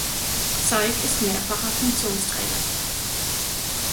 Zeig ist mehrfacher Funktionsträger.